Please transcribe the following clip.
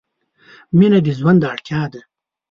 مینه د ژوند اړتیا ده.